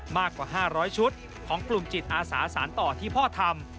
มากกว่า๕๐๐ชุดของกลุ่มจิตอาสาสารต่อที่พ่อทำ